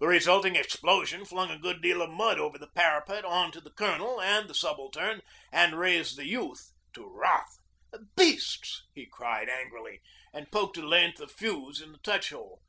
The resulting explosion flung a good deal of mud over the parapet on to the Colonel and the subaltern, and raised the youth to wrath. 'Beasts!' he said angrily, and poked a length of fuse in the touch hole.